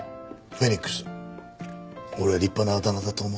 フェニックス俺は立派なあだ名だと思うぞ。